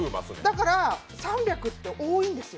だから、３００って多いんですよ。